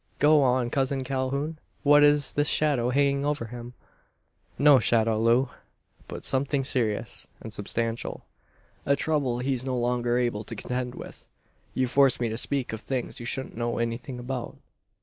Go on, cousin Calhoun! What is this shadow hanging over him?" "No shadow, Loo; but something serious, and substantial. A trouble he's no longer able to contend with. You force me to speak of things you shouldn't know anything about."